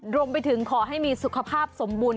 รวมไปถึงขอให้มีสุขภาพสมบูรณ